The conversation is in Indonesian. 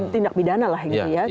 tindak pidana lah